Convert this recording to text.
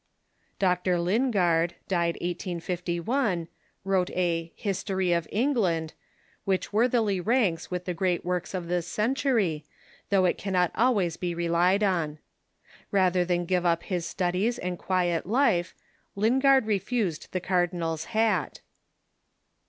Dr. Lin gard (died 1851) wrote a "History of England," Avliich wor thily ranks with the great works of this centur}^, though it cannot always be relied on. Rather than give up his studies and quiet life, Lingard refused the cardinal's hat.